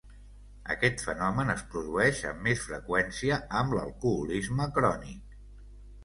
Aquest fenomen es produeix amb més freqüència amb l'alcoholisme crònic.